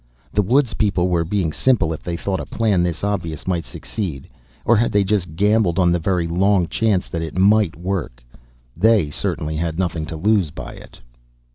The woods people were being simple if they thought a plan this obvious might succeed. Or had they just gambled on the very long chance it might work? They certainly had nothing to lose by it.